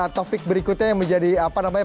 topik berikutnya yang menjadi apa namanya